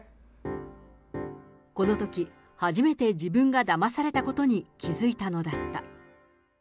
このとき、初めて自分がだまされたことに気付いたのだった。